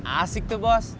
asik tuh bos